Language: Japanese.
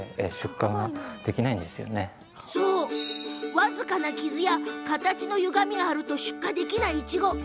僅かな傷や形のゆがみで出荷できない、いちご。